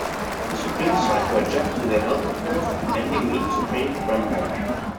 The Supremes try to adjust to their helplessness in ending "mean" Supreme's rampage.